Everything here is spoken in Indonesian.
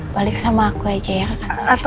balik sama aku aja ya ke kantor